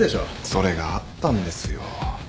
それがあったんですよ。